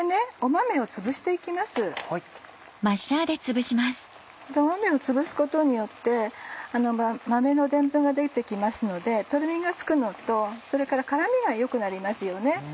豆をつぶすことによって豆のでんぷんが出て来ますのでとろみがつくのとそれから絡みが良くなりますよね。